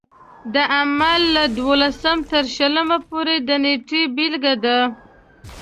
د حمل له دولسم تر شلم پورې د نېټې بېلګه ده.